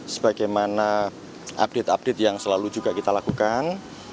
sebagaimana update update yang selalu juga kita lakukan